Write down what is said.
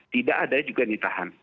tidak ada yang juga ditahan